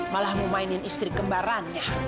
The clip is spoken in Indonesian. malah memainin istri kembarannya